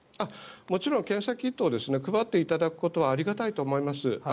もちろん検査キットを配っていただくことはありがたいと思います。